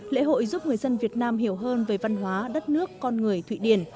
lễ hội giúp người dân việt nam hiểu hơn về văn hóa đất nước con người thụy điển